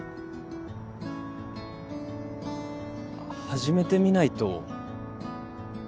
始めてみないと。